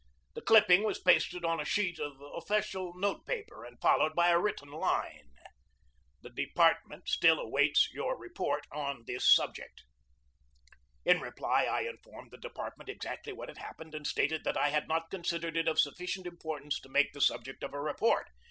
The clipping was pasted on a sheet of official note paper and followed by a written line: "The Department still awaits SERVICE AFTER THE WAR 149 your report on this subject." In reply I informed the department exactly what had happened and stated that I had not considered it of sufficient im portance to be made the subject of a report.